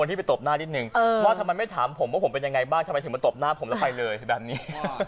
ทำไมถึงมาตบหน้าผมแล้วไปเลยแบบนี้